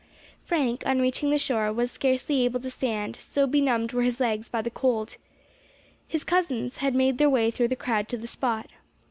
Frank, on reaching the shore, was scarcely able to stand, so benumbed were his legs by the cold. His cousins had made their way through the crowd to the spot.